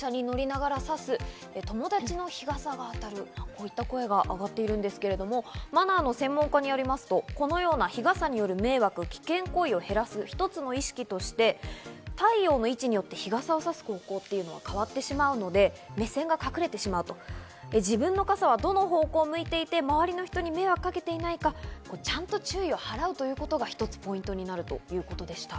こういった声が上がっているんですけれども、マナーの専門家によりますと、このような日傘による迷惑危険行為を減らす一つの意識として、太陽の位置によって日傘をさす方向っていうのは変わってしまうので、目線が隠れてしまうと、自分の傘はどの方向を向いていて周りの人に迷惑をかけていないか、ちゃんと注意を払うということが一つポイントになるということでした。